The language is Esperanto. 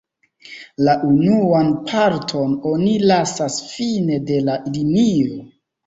La unuan parton oni lasas fine de la linio.